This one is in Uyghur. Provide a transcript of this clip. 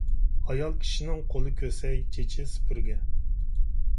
ئايال كىشىنىڭ قولى كۆسەي، چېچى سۈپۈرگە.